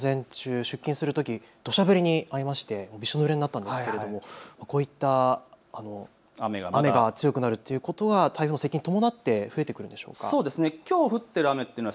私、午前中、出勤するときどしゃ降りにあいましてびしょぬれになったんですがこういった雨が強くなるということは台風の接近に伴って増えるんでしょうか。